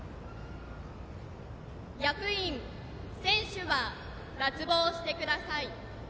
役員、選手は脱帽してください。